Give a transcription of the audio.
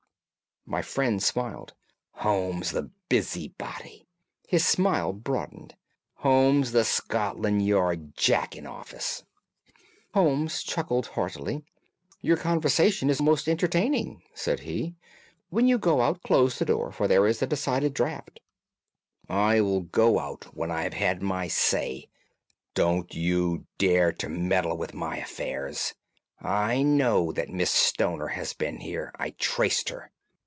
My friend smiled. "Holmes, the busybody!" His smile broadened. "Holmes, the Scotland Yard Jack in office!" Holmes chuckled heartily. "Your conversation is most entertaining," said he. "When you go out close the door, for there is a decided draught." "I will go when I have had my say. Don't you dare to meddle with my affairs. I know that Miss Stoner has been here. I traced her!